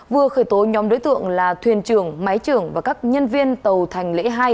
vừa khởi tố nhóm đối tượng là thuyền trưởng máy trưởng và các nhân viên tàu thành lễ hai